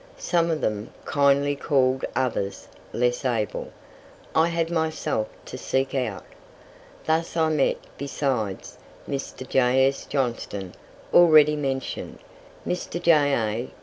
Some of them kindly called; others, less able, I had myself to seek out. Thus I met, besides Mr. J.S. Johnston, already mentioned, Mr. J.A.